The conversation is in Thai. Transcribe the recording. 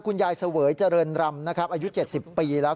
เสวยเจริญรำนะครับอายุ๗๐ปีแล้ว